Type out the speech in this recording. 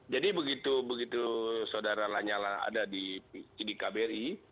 jadi begitu begitu saudara lanyala ada di kbri